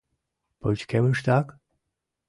Пычкемыштак?